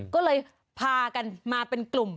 ก็เลยพากันมาเป็นกลุ่ม